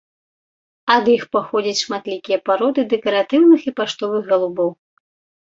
Ад іх паходзяць шматлікія пароды дэкаратыўных і паштовых галубоў.